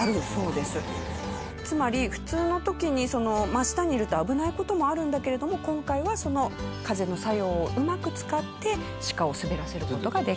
つまり普通の時に真下にいると危ない事もあるんだけれども今回はその風の作用をうまく使ってシカを滑らせる事ができたという。